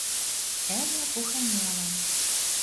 Ӓвӓ поханяла